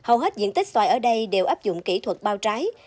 hầu hết diện tích xoài ở đây đều áp dụng kỹ thuật bao trái